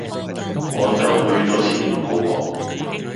我就去左前面果個